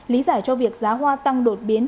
lý giải cho việc giá hoa tăng đột biến